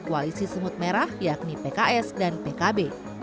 koalisi semut merah yakni pks dan pkb